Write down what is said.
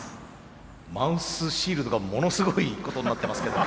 マウスシールドがものすごいことになってますけど。